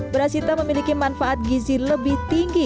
beras hitam memiliki manfaat gizi lebih tinggi